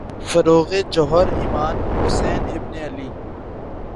فروغِ جوہرِ ایماں، حسین ابنِ علی